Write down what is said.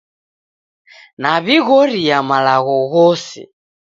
Naw'ighoria malagho ghose